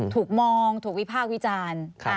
ถูกมองถูกวิพากษ์วิจารณ์